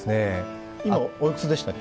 今、おいくつでしたっけ？